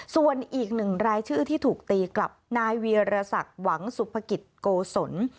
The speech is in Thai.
ส่วนอีกหนึ่งรายชื่อที่ถูกตีกลับนายเวียรศักดิ์หวังสุภกิจโกศล